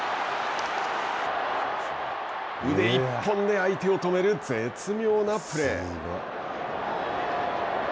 腕一本で相手を止める絶妙なプレー。